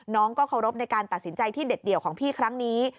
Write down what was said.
เคารพในการตัดสินใจที่เด็ดเดี่ยวของพี่ครั้งนี้